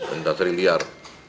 pak antasari liar